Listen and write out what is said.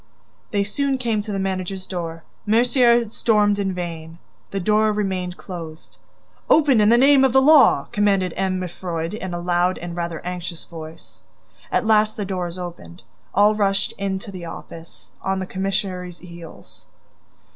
They soon came to the managers' door. Mercier stormed in vain: the door remained closed. "Open in the name of the law!" commanded M. Mifroid, in a loud and rather anxious voice. At last the door was opened. All rushed in to the office, on the commissary's heels.